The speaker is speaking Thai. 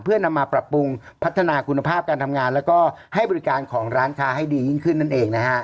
เพื่อนำมาปรับปรุงพัฒนาคุณภาพการทำงานแล้วก็ให้บริการของร้านค้าให้ดียิ่งขึ้นนั่นเองนะฮะ